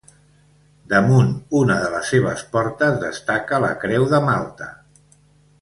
Damunt una de les seves portes destaca la creu de Malta.